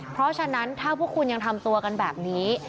เพราะฉะนั้นถ้าพวกคุณยังทำตัวกันแบบนี้